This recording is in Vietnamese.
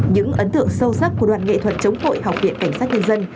những ấn tượng sâu sắc của đoàn nghệ thuật chống hội học viện cảnh sát nhân dân